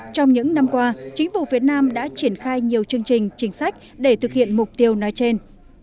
trong những năm qua chính phủ việt nam đã triển khai nhiều chương trình chính sách để thực hiện mục tiêu nói trên